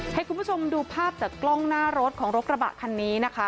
ให้คุณผู้ชมดูภาพจากกล้องหน้ารถของรถกระบะคันนี้นะคะ